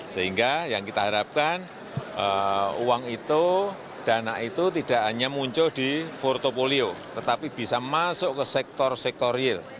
sehingga yang kita harapkan uang itu dana itu tidak hanya muncul di portfolio tetapi bisa masuk ke sektor sektor real